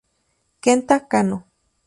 Kenta Kanō